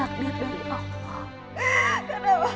kamu gak bisa menolak takdir dari allah